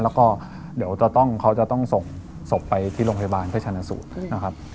แล้วก็เดี๋ยวเขาจะต้องส่งศพไปที่โรงพยาบาลเพื่อชนะสูตรนะครับ